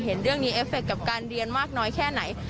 เรื่องนี้เอฟเคกับการเรียนมากน้อยแค่ไหน